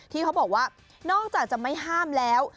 ที่เขาบอกว่านอกจากจะไม่ห้ามแล้ว